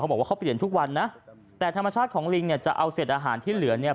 บอกว่าเขาเปลี่ยนทุกวันนะแต่ธรรมชาติของลิงเนี่ยจะเอาเศษอาหารที่เหลือเนี่ย